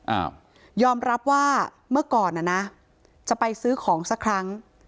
อ้าวยอมรับว่าเมื่อก่อนน่ะนะจะไปซื้อของสักครั้ง